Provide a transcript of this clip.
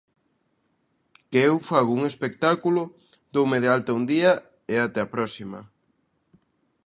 Que eu fago un espectáculo, doume de alta un día e até a próxima.